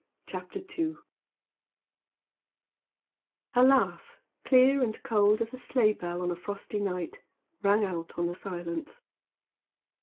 CHAPTER II A laugh, clear and cold as a sleigh bell on a frosty night rang out on the silence.